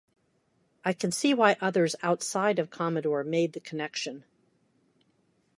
I can see why others outside of Commodore made the connection.